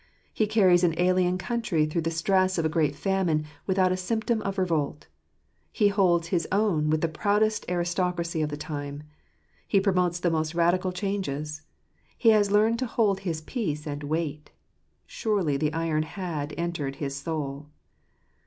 He carries an I 1 alien country through the stress of a great famine, without a symptom of revolt. He holds his own with the proudest : aristocracy of the time. He promotes the most radical 1 j changes. He has learned to hold his peace and wait. : Surely the iron had entered his soul!